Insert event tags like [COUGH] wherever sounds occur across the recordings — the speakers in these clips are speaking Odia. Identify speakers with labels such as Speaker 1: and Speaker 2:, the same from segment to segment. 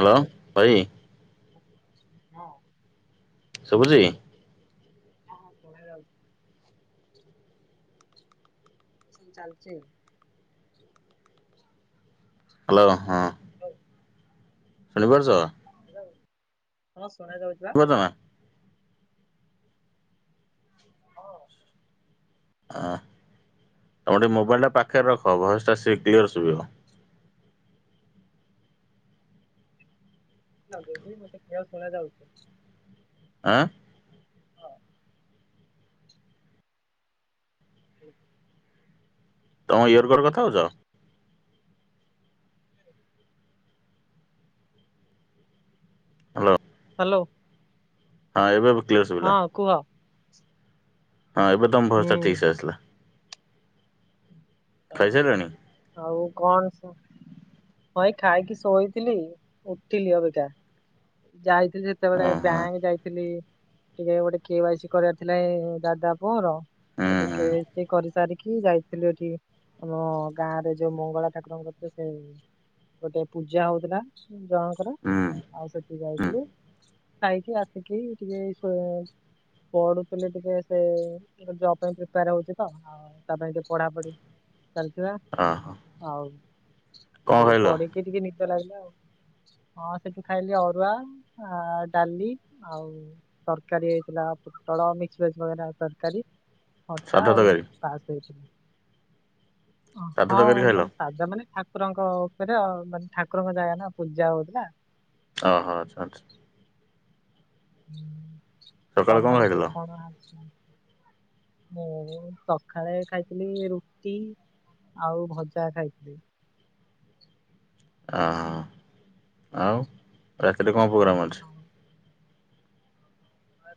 Speaker 1: ହାଲୋ ଭାଇ।
Speaker 2: ହଁ।
Speaker 1: ଶୁଭୁଚି।
Speaker 2: ହଁ ହଁ ଶୁଣା ଯାଉଛି। ପସନ୍ଦ ଚାଲିଚି।
Speaker 1: ହାଲୋ ହଁ।
Speaker 2: ହ୍ୟାଲୋ
Speaker 1: ଶୁଣି ପାରୁଚ।
Speaker 2: ହାଲୋ ହଁ ଶୁଣା ଯାଉଛି ପା।
Speaker 1: ଅଁ ଆଁ।
Speaker 2: ହଁ।
Speaker 1: ହଁ ତୁମର ଟିକେ ମୋବାଇଲ୍ ଟା ପାଖରେ ରଖ ଭଏସ୍ ଟା ସିଏ କ୍ଲିଅର୍ ଶୁଭିବ।
Speaker 2: [INAUDIBLE] ମୋତେ କ୍ଲିଅର ଶୁଣାଯାଉଛି।
Speaker 1: ଆଁ
Speaker 2: [INAUDIBLE]
Speaker 1: ତମ ଇଅରର୍କଡ଼ କଥା ହଉଛ? ହାଲୋ।
Speaker 2: ହାଲୋ।
Speaker 1: ହଁ ଏବେ ଏ କ୍ଲିୟର୍ ଶୁଭିଲା।
Speaker 2: କୁହ।
Speaker 1: ହଁ ଏବେ ତମ ଭୟସ୍ ଟା
Speaker 2: ହୁଁ
Speaker 1: ଠିକ ସେ ଆସିଲା। ଖାଇସାଇଲଣି?
Speaker 2: ଆଉ କଣ ସ ହଁ, ଏଇ ଖାଇକି ଶୋଇଥିଲି ଉଠିଲି ଅବିକା ଯାଇ
Speaker 1: ଓ
Speaker 2: ଯେତେବେଳେ
Speaker 1: ହଁ
Speaker 2: ବ୍ୟାଙ୍କ ଯାଇଥିଲି ଟିକେ ଗୋଟେ କେୱାଇସି କରିବାର ଥିଲା ଏଇ ଦାଦା ପୁଅର।
Speaker 1: ହୁଁ
Speaker 2: ସେଠୁ
Speaker 1: ହୁଁ
Speaker 2: କେୱାଇସି କରିସାରିକି ଯାଇଥିଲି ଏଠିକି। ଆମ ଗାଁ ରେ ଯୋଉ ମଙ୍ଗଳା ଠାକୁରଙ୍କ ସେ ଗୋଟେ ପୂଜା ହଉଥିଲା। ଜଣଙ୍କର
Speaker 1: ହୁଁ
Speaker 2: ଆଉ ସେଠି
Speaker 1: ହୁଁ
Speaker 2: ଯାଇଥିଲୁ। ଖାଇକି ଆସିକି ଟିକେ ଏଇ ସୋ ପଢୁଥିଲେ ଟିକେ, ସେ ଜବ ପାଇଁ ପ୍ରିପେୟାର ହଉଛି ତ ଆଉ ତା ପାଇଁ ଟିକେ ପଢାପଢି। ଚାଲିଛି ବା।
Speaker 1: ଓହୋ।
Speaker 2: ହଉ
Speaker 1: କଣ
Speaker 2: ସେ
Speaker 1: ଖାଇଲ
Speaker 2: ପଢିକି ଟିକେ ନିଦ ଲାଗିଲା ଆଉ। ହଁ ସେଠୁ ଖାଇଲି ଅରୁଆ, ଆ ଡାଲି ଆଉ। ତରକାରୀ ହେଇଥିଲା ପୋଟଳ ମିକ୍ସଭେଜ୍ ବଗେରା ତରକାରୀ। ଖଟା
Speaker 1: ସାଧା
Speaker 2: ଆଉ
Speaker 1: ତରକାରୀ
Speaker 2: ପାସ ଦେଇଥିଲେ।
Speaker 1: ସାଧା
Speaker 2: ହଁ
Speaker 1: ତରକାରୀ ଖାଇଲ
Speaker 2: ମାନେ ସାଧା ମାନେ ଠାକୁରଙ୍କ ଉପରେ ଆଉ ମାନେ ଠାକୁରଙ୍କ ଜାଗା ନା ପୂଜା ହଉଥିଲା।
Speaker 1: ଓହୋ ଆଛା, ଆଛା। ସକାଳେ କଣ
Speaker 2: ତମର ସବୁ
Speaker 1: ଖାଇଥିଲ
Speaker 2: କଣ? [UNINTELLIGIBLE] ମୁଁ ସଖାଳେ ଖାଇଥିଲି ରୁଟି। ଆଉ ଭଜା ଖାଇଥିଲି।
Speaker 1: ଅହଃ ଆଉ ରାତିରେ କଣ ପ୍ରୋଗ୍ରାମ୍ ଅ
Speaker 2: ଆଉ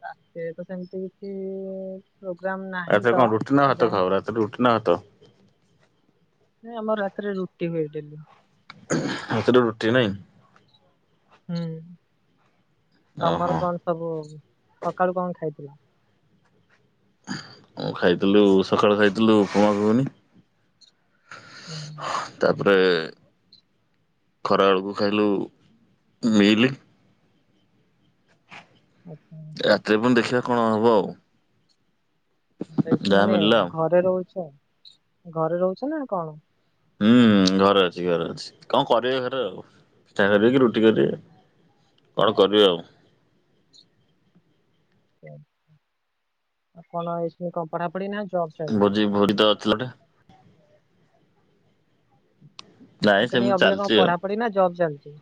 Speaker 2: ରାତିରେ ତ ସେମତି କିଛି ପ୍ରୋଗ୍ରାମ ନାହିଁ
Speaker 1: ରାତିରେ
Speaker 2: ତ
Speaker 1: କଣ ରୁଟି ନା
Speaker 2: ଏ
Speaker 1: ଭାତ
Speaker 2: ଯାଏଁ।
Speaker 1: ଖାଅ ରୁଟି ନା ଭାତ?
Speaker 2: ନାଇଁ ଆମର ରାତିରେ ରୁଟି ହୁଏ ଡେଲି।
Speaker 1: ରାତିରେ ରୁଟି ନାଇଁ?
Speaker 2: ହୁଁ,
Speaker 1: ଓହୋ
Speaker 2: ତମର କଣ ସବୁ ସକାଳୁ କଣ ଖାଇଥିଲ?
Speaker 1: ଆଁ ଖାଇଥିଲୁ ସକାଳୁ ଖାଇଥିଲୁ ଉପମା ଘୁଗୁନି।
Speaker 2: ହୁଁ
Speaker 1: ତାପରେ ଖରାବେଳକୁ ଖାଇଲୁ ମିଇଲି।
Speaker 2: ଆଛା।
Speaker 1: ରାତିରେ ପୁଣି ଦେଖିବା କଣ ହବ ଆଉ।
Speaker 2: ରହୁଛ
Speaker 1: ଯାହା
Speaker 2: ମାନେ
Speaker 1: ମିଳିଲା ଆଉ।
Speaker 2: ଘରେ ରହୁଛ, ଘରେ ରହୁଛ ନା କଣ?
Speaker 1: ହୁଁ ଘରେ ଅଛି, ଘରେ ଅଛି, କଣ କରିବେ ଘରେ ଆଉ, ପିଠା କରିବେ କି ରୁଟି କରିବେ। କଣ କରିବେ ଆଉ।
Speaker 2: [UNINTELLIGIBLE] କଣ ପଢା ପଢି ନା ଜବ୍? ଚାଲିଛି?
Speaker 1: ଭୋଜି ଭୋଜି ତ ଥିଲା ଗୋଟେ। ନାଇଁ
Speaker 2: ମୁଁ କହିଲି
Speaker 1: ସେମିତି
Speaker 2: ଅଭିିକା କଣ
Speaker 1: ଚାଲିଛି ଆଉ।
Speaker 2: ପଢାପଢି ନା ଜବ୍ ଚାଲିଛି?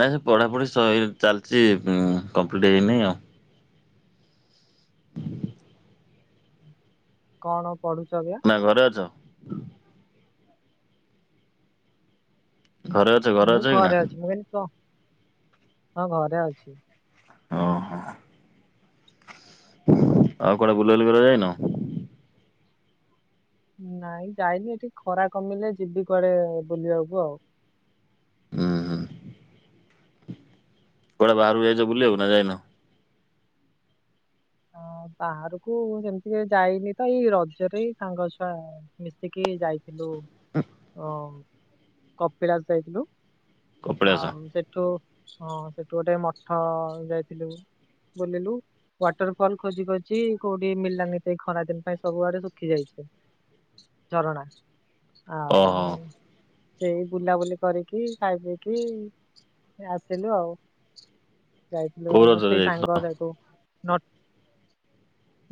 Speaker 1: ନାଇଁ ସେ ପଢ଼ାପଢ଼ି ସଇ ଚାଲିଛି କମ୍ପ୍ଲିଟ୍ ହେଇନି ଆଉ।
Speaker 2: କଣ ପଢୁଛ ଏବେ?
Speaker 1: ନା ଘରେ ଅଛ? ଘରେ ଅ
Speaker 2: ମୁଁ ଘରେ ଅଛି ମୁଁ କି କ ହଁ ଘରେ ଅଛି।
Speaker 1: ଓହୋ ଆଉ କଆଡେ ବୁଲାବୁଲି କରିବାକୁ ଯାଇନ?
Speaker 2: ନାଇଁ ଯାଇନି ଏଠି ଖରା କମିଲେ ଯିବି କୁଆଡେ ବୁଲିବାକୁ ଆଉ।
Speaker 1: ହଁ ହଁ। କୁଆଡେ ବାହାରୁକୁ ଯାଇଛ ବୁଲିବାକୁ ନା ଯାଇନ?
Speaker 2: ହଁ ବାହାରୁକୁ ସେମିତି ଯାଇନି ତ ଏଇ ରଜରେ ସାଙ୍ଗ ଛୁଆ ମିଶିକି ଯାଇଥିଲୁ ଅ କପିଳାସ ଯାଇଥିଲୁ।
Speaker 1: କପିଳାସ
Speaker 2: ଆଉ ସେଠୁ ହଁ ସେଠୁ ଗୋଟେ ମଠ ଯାଇଥିଲୁ ବୁଲିଲୁ ୱାଟର ଫଲ ଖୋଜି ଖୋଛି କୋଉଠି ମିଳଲାନି ସେ ଖରାଦିନ ପାଇଁ ସବୁଆଡେ ଶଖି ଯାଇଛି। ଝରଣା ଆଉ
Speaker 1: ଓହୋ।
Speaker 2: ସେଇ ବୁଲାବୁଲି କରିକି ଖାଇ ପିଇକି ଆସିଲୁ ଆଉ। ଯାଇଥିଲଥିଲେ
Speaker 1: କୋଉ
Speaker 2: ଆମ
Speaker 1: ରଜରେ
Speaker 2: ସେଇ
Speaker 1: ଯାଇଥିଲ?
Speaker 2: ସାଙ୍ଗ ତାକୁ ନ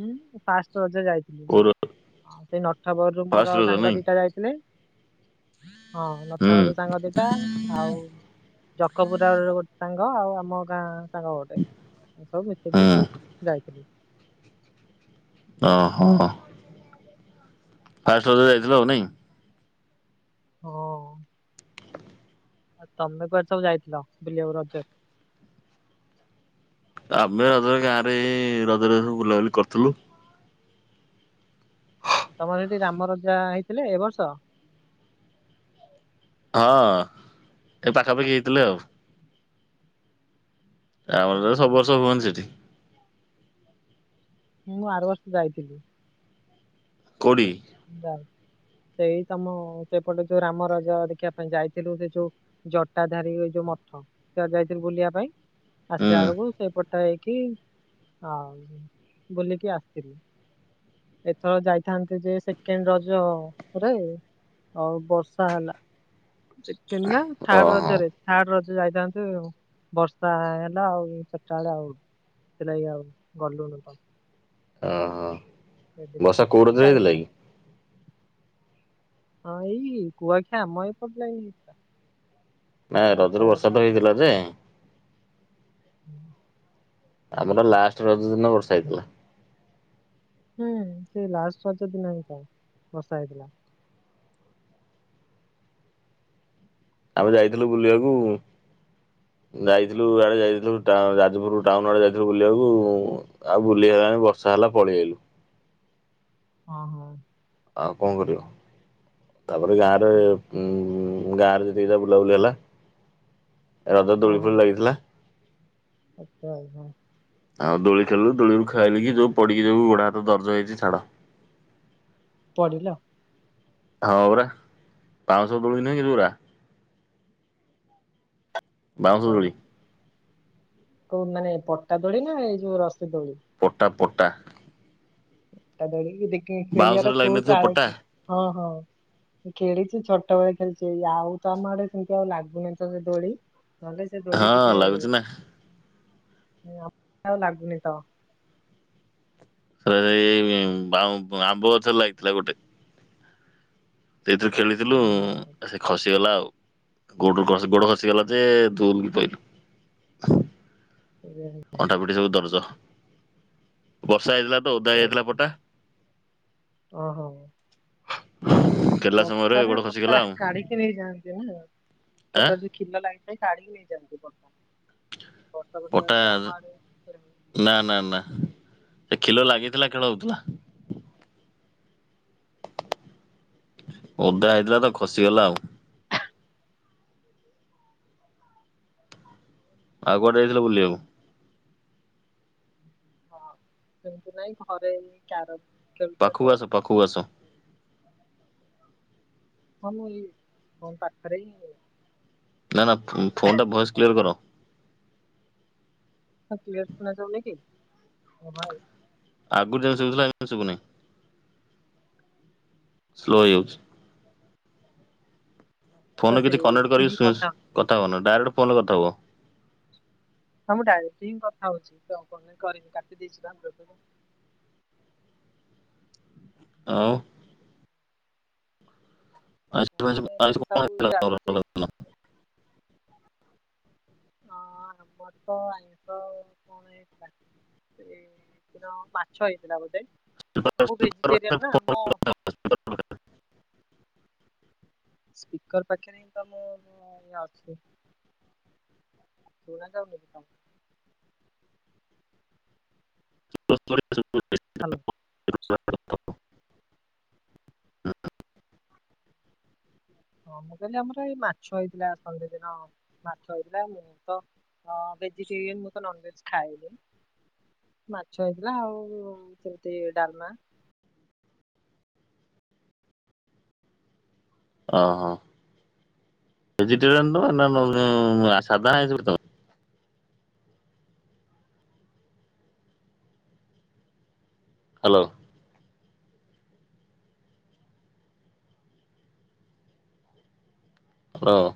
Speaker 2: ହୁଁ ଫାଷ୍ଟ ରଜେ ଯାଇ ହୁଁ
Speaker 1: କୋଉ ର
Speaker 2: ସେଇ ନଟା ବରରୁ
Speaker 1: ଫାଷ୍ଟ
Speaker 2: ମୋର
Speaker 1: ରଜ
Speaker 2: ସାଙ୍ଗ
Speaker 1: ନାଇଁ
Speaker 2: ଦିଟା ଯାଇଥିଲେ। ହଁ ନଟା
Speaker 1: ହୁଁ
Speaker 2: ବରରୁ ସାଙ୍ଗ ଦିଟା ଆଉ ଜଖପୁରାରୁ ଗୋଟେ ସାଙ୍ଗ ଆଉ ଆମ ଗାଁ ସାଙ୍ଗ ଗୋଟେ ଏନ୍ତୀ ସବୁ ମିଶିକି
Speaker 1: ହୁଁ
Speaker 2: ଯାଇଥିଲୁ।
Speaker 1: ଓହୋ। ଫାଷ୍ଟ୍ ବୋଧେ ଯାଇଥିଲ ଆଉ ନାଇଁ?
Speaker 2: ହଁ। ଆଉ ତମେ କୁଆଡେ ସବୁ ଯାଇଥିଲ ବିଲିବାକୁ ରଜରେ?
Speaker 1: ଆମେ ରଜରେ ଗାଁରେ ରଜରେ ରଜୁ ବୁଲାବୁଲି କରିଥିଲୁ।
Speaker 2: ତମର ସେଠି ରାମ ରଜା ହେଇଥିଲେ ଏ ବର୍ଷ?
Speaker 1: ହଁ ଏ ପାଖାପାଖି ହେଇଥିଲେ ଆଉ। ଆ
Speaker 2: ଆଚ୍ଛା,
Speaker 1: ତ ସବୁ
Speaker 2: ହଁ।
Speaker 1: ବର୍ଷ ହୁଅନ ସେଠି।
Speaker 2: ମୁଁ ଆର ବର୍ଷ ଯାଇଥିଲି।
Speaker 1: କୋଉଠିକି?
Speaker 2: ଯ ସେଇ ତମ ସେପଟେ ଯୋଉ ରାମ ରାଜା ଦେଖିବା ପାଇଁ ଯାଇଥିଲି ସେ ଯୋଉ ଜଟା ଧାରୀ ଏଯୋଉ ମଠ ସେଆଡେ ଯାଇଥିଲି ବୁଲିବା ପାଇଁ ଆସିଲା
Speaker 1: ହୁଁ
Speaker 2: ବେଳକୁ ସେପଟ ହେଇକି ଆଉ ବୁଲିକି ଆସିଥିଲି। ଏଥର ଯାଇଥାନ୍ ଯେ ସେକେଣ୍ଡ ରଜରେ ଆଉ ବର୍ଷା ହେଲା। ସେକେଣ୍ଡ ନା ଥଡ
Speaker 1: ଓହୋ
Speaker 2: ରଜାରେ? ଥାଡ ରଜ ଯାଇଥାନ୍ତୁ ବର୍ଷା ହେଲା ଆଉ ସୋରଟା ବେଳେ ଆଉ ସେଥିଲା ଆଉ ଗଲୁନୁ ତ।
Speaker 1: ଓହୋ ବର୍ଷା କୋଉ [UNINTELLIGIBLE]
Speaker 2: ଯାଇ
Speaker 1: ଥିଲାକି?
Speaker 2: ହଁ ଏଇ କୁଆଖିଆ ଆମ ଏପଟ ଲାଇନ ହେଇଥିଲା।
Speaker 1: ନା
Speaker 2: ଇଆଡେ
Speaker 1: ରଜରେ ବର୍ଷା
Speaker 2: ହେଲା
Speaker 1: ତ
Speaker 2: ଛାଡି-
Speaker 1: ହେଇଥିଲା ଯେ
Speaker 2: ହୁଁ
Speaker 1: ଆମେର ଲାଷ୍ଟ ରଜ ଦିନ ବର୍ଷ ହେଇଥିଲା।
Speaker 2: ହୁଁ ସେ ଲାଷ୍ଟ ରଜ ଦିନ ହେ ତ ବର୍ଷା ହେଇଥିଲା।
Speaker 1: ଆମେ ଯାଇଥିଲୁ ବୁଲିବାକୁ ଯାଇଥିଲୁ ୟାଡେ ଯାଇଥିଲୁ ଯାଜପୁର ଟାଉନ ଆଡେ ଯାଇଥିଲୁ ବୁଲିବାକୁ ଆଉ ବୁଲିହେଲେନି ବର୍ଷା ହେଲା ପଳେଇଆଇଲେ।
Speaker 2: ହଁ ହଁ।
Speaker 1: ଆଉ କଣ କରିବ ତାପରେ ଗାଁରେ
Speaker 2: ତ-
Speaker 1: ଉଁ ଗାଁରେ ଯେତିକି ତ ବୁଲାବୁଲି ହେଲା ରଜ
Speaker 2: ହଁ
Speaker 1: ଦୋଳି
Speaker 2: ହଁ।
Speaker 1: ଫୁଳି ଲାଗିଥିଲା।
Speaker 2: ଆଚ୍ଛା ଆଉ ହଁ।
Speaker 1: ଆଉ ଦୋଳି ଖେଳିଲୁ, ଦୋଳିରୁ ଖେଳିକି ଯୋଉ ପଡିକି ଯୋଉ ଗୋଡ ହାତ ଦରଜ ହେଇଛି ଛାଡ଼।
Speaker 2: ପଡ଼ିଲ?
Speaker 1: ହଁ ପରା ବାଉଁଶ ଦୋଳି ନାହିଁ କି ଯୋଉ ଗୁରା ବାଉଁଶ
Speaker 2: ତ
Speaker 1: ଦୋଳି।
Speaker 2: କୋଉ ମାନେ ପଟା ଦୋଳି ନା ଏଇ ଯୋଉ ରସି ଦୋଳି?
Speaker 1: ପଟା ପଟା।
Speaker 2: ପଟା ଦୋଳିକି ଦେଖି
Speaker 1: ବାଉଁଶରେ
Speaker 2: ଖେଳିବାର କୋଉ
Speaker 1: ଲାଗିନଥିବ
Speaker 2: କାଳେ
Speaker 1: ପଟା
Speaker 2: ହଁ- ହଁ। ଖେଳିଚି ଛୋଟବେଳେ ଖେଳିଚି, ଆଉ ତମ ଆଡେ ସେମିତି ଆଉ ଲାଗୁନି ତ ସେ ଦୋଳି? ନହେଲେ ସେ ଦୋଳି
Speaker 1: ହଁ
Speaker 2: ଟିକେ
Speaker 1: ଲାଗୁଛି ନା।
Speaker 2: ଆଉ ଲାଗୁନି ତ?
Speaker 1: [UNINTELLIGIBLE] ଆମ୍ବ ଗଛରେ ଲାଗିଥିଲା ଗୋଟେ। ସେଇଥିରେ ଖେଳିଦେଲୁ
Speaker 2: ଓହୋ
Speaker 1: ଆଉ ସେ ଖସିଗଲା ଆଉ ଗୋଡରୁ ଖସି, ଗୋଡ ଖସିଗଲା ଯେ ଦୁଲ କି ପଇଲୁ।
Speaker 2: ସେଇଆ
Speaker 1: ଅଣ୍ଟା ପିଠି ସବୁ ଦରଜ, ବର୍ଷା ହେଇଥିଲା ତ ଓଦା ହେଇଯାଇଥିଲା ପଟା
Speaker 2: ଓ ହୋ।
Speaker 1: ଖେଳିଲା ସମୟରେ
Speaker 2: ବର୍ଷାରେ
Speaker 1: ଗୋଡ
Speaker 2: ପଟା
Speaker 1: ଖସିଗଲା ଆଉ
Speaker 2: କାଢ଼ି କି ନେଇଯାଆନ୍ତି ନା,
Speaker 1: ଆଁ
Speaker 2: ପଟା ଯୋଉ କ୍ଷିଲ ଲାଗିଥାଏ କାଢ଼ିକି ନେଇଯାଆନ୍ତି ପଟା। ବର୍ଷା ଫର୍ଷା ହେଲେ
Speaker 1: ପଟା
Speaker 2: ଆମ ଆଡେ [UNINTELLIGIBLE]
Speaker 1: ନା- ନା- ନା ସେ ଖିଲ ଲାଗିଥିଲା ଖେଳ ହଉଥିଲା। ଓଦା ହେଇଥିଲା ତ ଖସିଗଲା ଆଉ। ଆଉ କୁଆଡେ ଯାଇଥିଲ ବୁଲିଆକୁ?
Speaker 2: ହଁ ସେମିତି ନାଇଁ ଘରେ ଏମିତି କ୍ୟାର
Speaker 1: ପାଖକୁ ଆସ ପାଖକୁ ଆସ।
Speaker 2: ହଁ ମୁଁ ଏଇ କଲ ପାଖରେ ହିଁ। [UNINTELLIGIBLE]
Speaker 1: ନା- ନା ଫୋନ୍ ଟା ଭଏସ୍ କ୍ଲିୟର କର।
Speaker 2: [UNINTELLIGIBLE] କ୍ଲିୟର ଶୁଣା ଯାଉନି କି? [UNINTELLIGIBLE]
Speaker 1: ଆଗରୁ ଯେମିତି ଶୁଭୁଥିଲା ଏବେ ଶୁଭୁନେଇ। ସ୍ଲୋ ହେଇ ଯାଉଚି।
Speaker 2: ତ
Speaker 1: ଫୋନରେ କିଛି କନେକ୍ଟ
Speaker 2: ସେମିତି ହିଁ
Speaker 1: କରିକି
Speaker 2: କଥା ହଉଛି।
Speaker 1: କଥା ହୁଅନା, ଡାଇରେକ୍ଟ ଫୋନରେ କଥା ହୁଅ।
Speaker 2: ହଁ ମୁଁ ଡାଇରେକ୍ଟ ହିଁ କଥାହଉଛି, କନେକ୍ଟ କରିନି କାଟି ଦେଇଛି ବା ଦେଖୁନୁ।
Speaker 1: ଆଉ ଆଜି
Speaker 2: [UNINTELLIGIBLE]
Speaker 1: ଆଜି- ଆଜି
Speaker 2: ଏମିତି
Speaker 1: କଣ
Speaker 2: ସବୁ
Speaker 1: ହେଇଥିଲା ତମର?
Speaker 2: ଚାଲିଛି ହଁ ଆମର ତ ଆଇଁଷ [UNINTELLIGIBLE] ସେ ମାଛ ହେଇଥିଲା ବୋଧେ, ମୁଁ ଭେଜିଟେରିଆନ୍ ନା ମୋ ସ୍ପିକର ପାଖରେ ହିଁ ତ ମୁଁ ଇ ଅଛି। ଶୁଣାଯାଉନି କଣ?
Speaker 1: [UNINTELLIGIBLE]
Speaker 2: ହ୍ୟାଲୋ। ହଁ ମୁଁ କହିଲି ଆମର ଏଇ ମାଛ ହେଇଥିଲା, ସନ୍ ଡେ ଦିନ ମାଛ ହେଇଥିଲା। ମୁଁ ତ ହଁ ଭେଜିଟେରିଆନ୍, ମୁଁ ତ ନନ୍ ଭେଜ ଖାଏନି। ମାଛ ହେଇଥିଲା, ଆଉ ସେମିତି ଡାଲମା
Speaker 1: ଓ ହୋ ଭେଜିଟେରିଆନ୍ ତମେ? ନା [UNINTELLIGIBLE] ସାଧା ତମେ? ହ୍ୟାଲୋ। ହ୍ୟାଲୋ।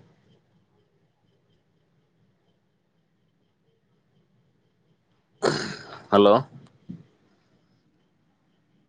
Speaker 1: ହ୍ୟାଲୋ।